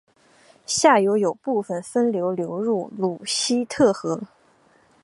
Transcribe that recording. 下游有部分分流流入鲁希特河。